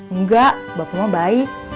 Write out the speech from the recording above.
enggak bapaknya baik